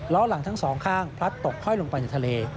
หลังทั้งสองข้างพลัดตกห้อยลงไปในทะเล